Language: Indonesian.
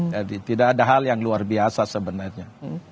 jadi tidak ada hal yang luar biasa sebenarnya